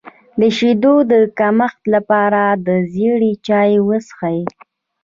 د شیدو د کمښت لپاره د زیرې چای وڅښئ